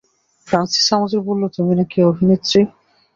Francis আমাদের বললো তুমি নাকি অভিনেত্রী।